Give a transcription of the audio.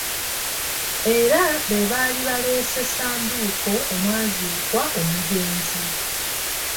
Era be baali baaleese ssanduuko omwaziikwa omugenzi.